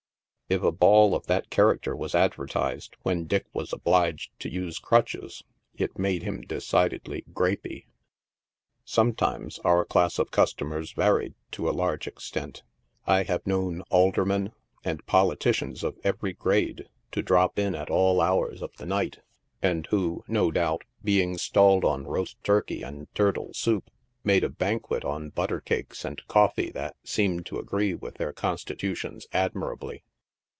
If a ball of that character was advertised when Dick was obliged to use crutches, it made him decidedly " grapey." Some times our class of customers varied to a large extent. I have known aldermen, and politicians of every grade, to drop in at all OUR ALL NIGHT EATING IIOUSES. 15 hours of the night, and who, no doubt, being stalled on toast tur key and turtle soup, made a banquet on butter cakes and coffee that seemed to agree with their constitutions admirably.